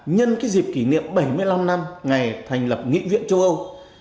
nhân dịp kỷ niệm bảy mươi năm năm ngày thành lập nghị viện châu âu